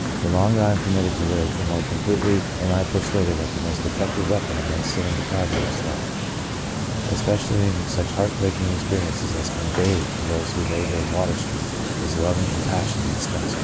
The longer I am permitted to live, the more completely am I persuaded that the most effective weapon against sin and depravity is Love. Especially in such heart breaking experiences as come daily to those who labour in Water Street is love and compassion indispensable.